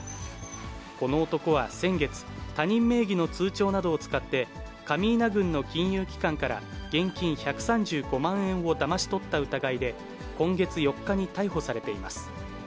この男は先月、他人名義の通帳などを使って上伊那郡の金融機関から、現金１３５万円をだまし取った疑いで、今月４日に逮捕されています。